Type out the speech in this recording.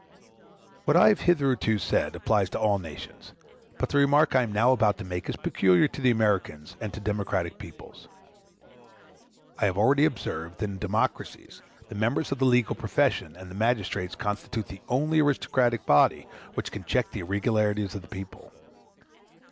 What I have hitherto said applies to all nations, but the remark I am now about to make is peculiar to the Americans and to democratic peoples. I have already observed that in democracies the members of the legal profession and the magistrates constitute the only aristocratic body which can check the irregularities of the people.